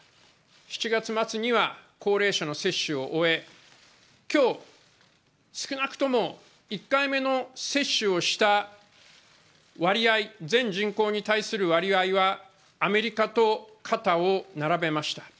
７月末には高齢者の接種を終え今日、少なくとも１回目の接種をした割合、全人口に対する割合はアメリカと肩を並べました。